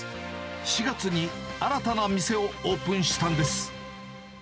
４月に新たな店をオープンしたんです。